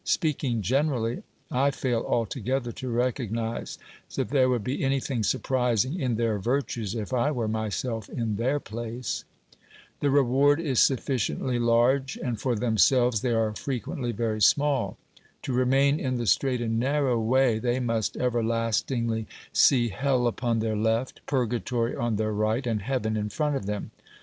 Speak ing generally, I fail altogether to recognise that there would be anything surprising in their virtues if I were myself in their place. The reward is sufficiently large, and for themselves they are frequently very small. To remain in the straight and narrow way they must ever lastingly see hell upon their left, purgatory on their right, and heaven in front of them.